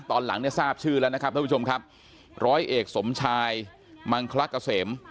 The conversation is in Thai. ตอนหลังเนี่ยทราบชื่อแล้วนะครับท่านผู้ชมครับร้อยเอกสมชายมังคลักเกษม